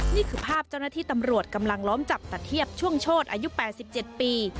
นี่คือภาพเจ้าหน้าที่ตำรวจกำลังล้อมจับตะเทียบช่วงโชธอายุ๘๗ปี